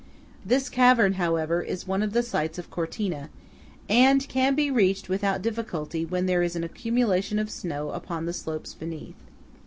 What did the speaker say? This cavern, however, is one of the sights of Cortina, and can be reached without difficulty when there is an accumulation of snow upon the slopes beneath.